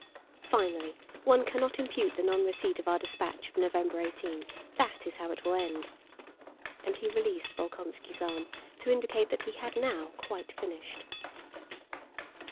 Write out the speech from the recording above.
"Finally one cannot impute the nonreceipt of our dispatch of November 18. That is how it will end." And he released Bolkónski's arm to indicate that he had now quite finished.